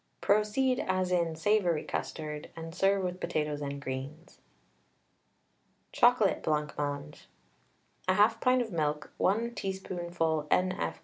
Proceed as in savoury custard, and serve with potatoes and greens. CHOCOLATE BLANCMANGE. 1/2 pint of milk, 1 teaspoonful N.F.